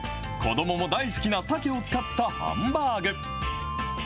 子どもも大好きなさけを使ったハンバーグ。